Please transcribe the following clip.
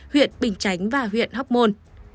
huyện bình chánh và huyện hóc môn